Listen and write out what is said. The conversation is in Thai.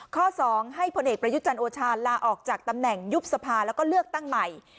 ข้อ๒ให้พลเอกประยุจันทร์โอชาลาออกจากตำแหน่งยุบสภาแล้วก็เลือกตั้งใหม่